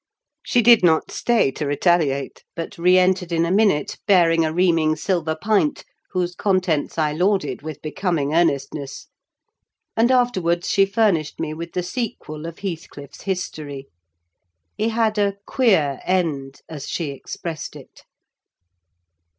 She did not stay to retaliate, but re entered in a minute, bearing a reaming silver pint, whose contents I lauded with becoming earnestness. And afterwards she furnished me with the sequel of Heathcliff's history. He had a "queer" end, as she expressed it.